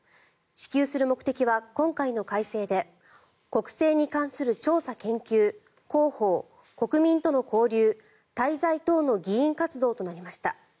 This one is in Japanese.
支給する目的は今回の改正で国政に関する調査研究、広報国民との交流滞在等の議員活動となりました。